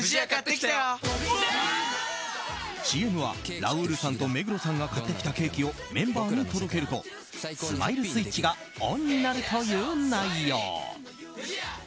ＣＭはラウールさんと目黒さんが買ってきたケーキをメンバーに届けるとスマイルスイッチがオンになるという内容。